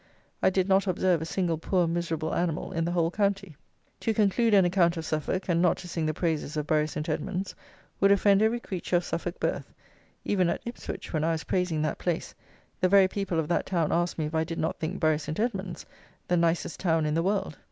I did not observe a single poor miserable animal in the whole county. To conclude an account of Suffolk, and not to sing the praises of Bury St. Edmund's, would offend every creature of Suffolk birth; even at Ipswich, when I was praising that place, the very people of that town asked me if I did not think Bury St. Edmund's the nicest town in the world.